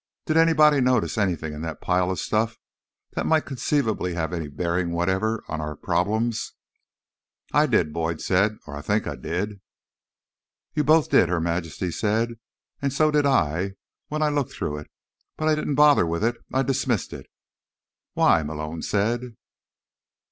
"Did anybody notice anything in that pile of stuff that might conceivably have any bearing whatever on our problems?" "I did," Boyd said. "Or I think I did." "You both did," Her Majesty said. "And so did I, when I looked through it. But I didn't bother with it. I dismissed it." "Why?" Malone said.